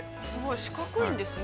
◆四角いんですね。